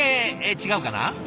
違うかな？